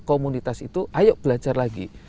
komunitas itu ayo belajar lagi